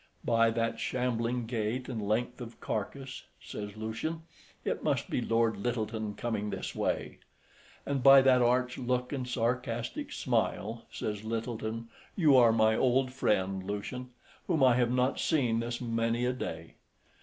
"By that shambling gait and length of carcase," says Lucian, "it must be Lord Lyttelton coming this way." "And by that arch look and sarcastic smile," says Lyttelton, "you are my old friend Lucian, whom I have not seen this many a day.